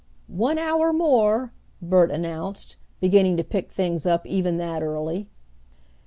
"One hour more!" Bert announced, beginning to pick things up even that early.